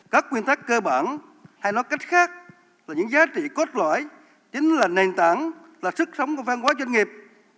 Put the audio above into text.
các nguyên tắc cơ bản hay nói cách khác là những giá trị cốt lõi chính là nền tảng là sức sống của văn hóa doanh nghiệp